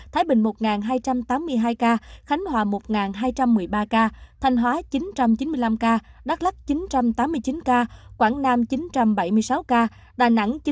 thái bình một hai trăm tám mươi hai ca khánh hòa một hai trăm một mươi ba ca thành hóa chín trăm chín mươi năm ca đắk lắc chín trăm chín mươi hai ca